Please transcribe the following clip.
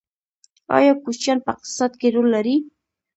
آیا کوچیان په اقتصاد کې رول لري؟